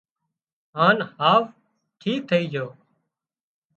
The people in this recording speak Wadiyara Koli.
هانَ هاوَ ٺيڪ ٿئي جھو